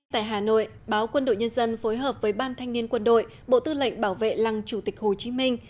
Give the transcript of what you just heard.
tại hà nội báo quân đội nhân dân phối hợp với ban thanh niên quân đội bộ tư lệnh bảo vệ lăng chủ tịch hồ chí minh